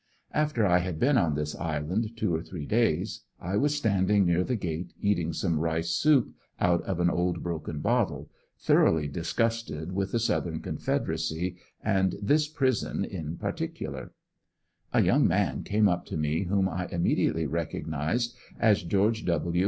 After I had been on this island two or three days, I was standing near the gate eating some rice soup out of an old broken bottle, thoroughly disgusted with the Southern 12 ANDERSONVILLE DIARY, Confederacy, and this prison in particular A young man came up to me whom I immediately recognized as George W.